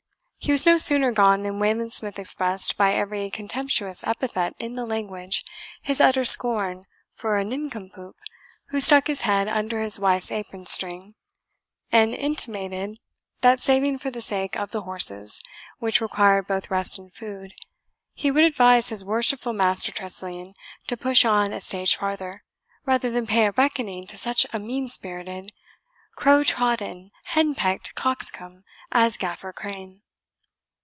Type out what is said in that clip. He was no sooner gone than Wayland Smith expressed, by every contemptuous epithet in the language, his utter scorn for a nincompoop who stuck his head under his wife's apron string; and intimated that, saving for the sake of the horses, which required both rest and food, he would advise his worshipful Master Tressilian to push on a stage farther, rather than pay a reckoning to such a mean spirited, crow trodden, henpecked coxcomb, as Gaffer Crane.